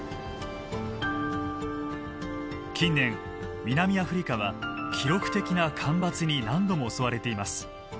近年南アフリカは記録的な干ばつに何度も襲われています。